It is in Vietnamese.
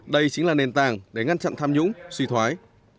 đây chính là nền tảng để ngăn chặn tham nhũng suy thoái